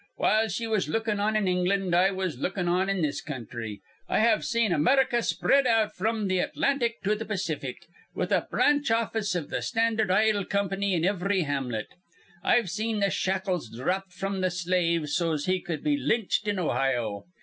While she was lookin' on in England, I was lookin' on in this counthry. I have seen America spread out fr'm th' Atlantic to th' Pacific, with a branch office iv the Standard Ile Comp'ny in ivry hamlet. I've seen th' shackles dropped fr'm th' slave, so's he cud be lynched in Ohio.